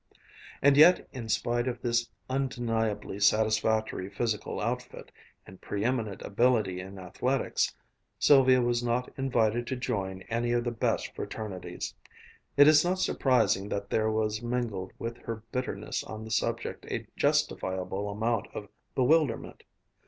And yet, in spite of this undeniably satisfactory physical outfit, and pre eminent ability in athletics, Sylvia was not invited to join any of the best fraternities. It is not surprising that there was mingled with her bitterness on the subject a justifiable amount of bewilderment.